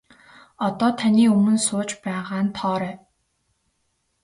Одоо таны өмнө сууж байгаа нь Тоорой.